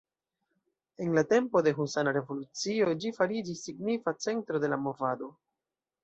En la tempo de husana revolucio ĝi fariĝis signifa centro de la movado.